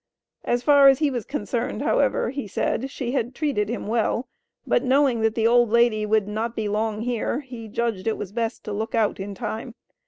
As far as he was concerned, however, he said, she had treated him well; but, knowing that the old lady would not be long here, he judged it was best to look out in time.